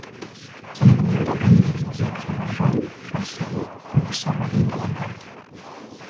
Seine Gemälde hängen in den Museen von Narbonne, Marseille und Les Saintes-Maries-de-la-Mer.